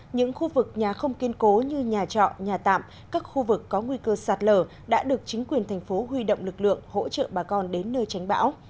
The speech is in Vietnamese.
những khu vực nhà không kiên cố như nhà trọ nhà tạm các khu vực có nguy cơ sạt lở đã được chính quyền thành phố huy động lực lượng hỗ trợ bà con đến nơi tránh bão